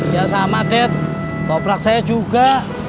ya sama de bawa praksanya juga